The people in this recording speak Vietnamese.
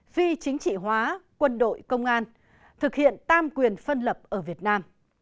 phi chính trị hóa quân đội công an thực hiện tam quyền phân lập ở việt nam